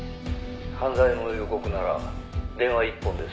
「犯罪の予告なら電話一本で済む」